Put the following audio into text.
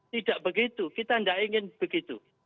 tidak begitu kita tidak ingin begitu